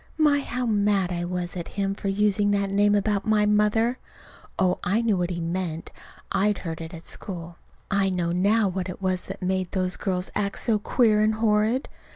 My, how mad I was at him for using that name about my mother! Oh, I knew what he meant. I'd heard it at school. (I know now what it was that made those girls act so queer and horrid.)